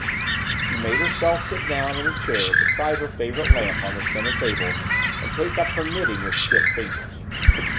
She made herself sit down in the chair beside her favorite lamp on the center table and take up her knitting with stiff fingers.